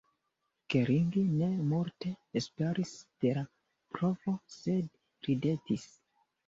Gering ne multe esperis de la provo, sed ridetis.